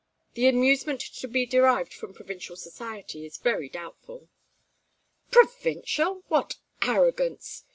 The amusement to be derived from provincial society is very doubtful." "Provincial! What arrogance!